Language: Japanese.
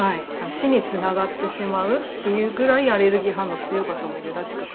死につながってしまうっていうぐらいアレルギー反応強い方もいるらしくて。